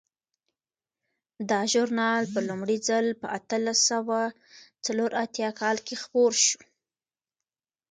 دا ژورنال په لومړي ځل په اتلس سوه څلور اتیا کال کې خپور شو.